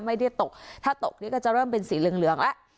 ไม่ได้ตกถ้าตกนี่ก็จะเริ่มเป็นสีเหลืองแล้ว